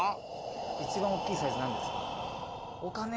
一番おっきいサイズ何ですか？